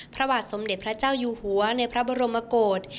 พระบาทสมเด็จพระเจ้าอยู่หัวในพระบรมโกศ